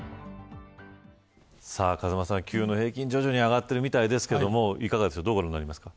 風間さん、給与の平均徐々に上がっているみたいですがどうご覧になりますか。